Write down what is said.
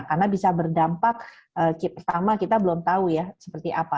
karena bisa berdampak pertama kita belum tahu seperti apa